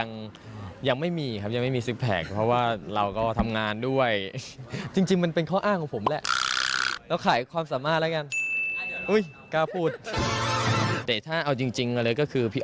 อ๋อนะครับก็รอติดตามผลงานรับรองว่าปังแน่นอน